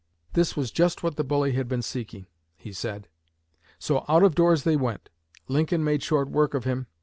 This was just what the bully had been seeking, he said; so out of doors they went. Lincoln made short work of him.